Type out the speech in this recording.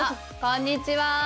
こんにちは！